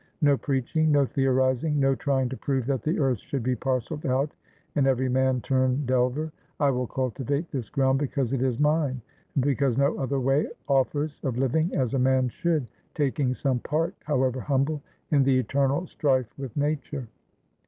No preaching, no theorising, no trying to prove that the earth should be parcelled out and every man turn delver. I will cultivate this ground because it is mine, and because no other way offers of living as a man shouldtaking some part, however humble, in the eternal strife with nature."